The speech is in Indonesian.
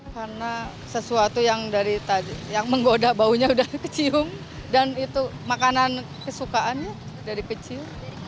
karena sesuatu yang menggoda baunya sudah kecium dan itu makanan kesukaannya dari kecil